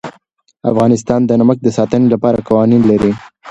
افغانستان د نمک د ساتنې لپاره قوانین لري.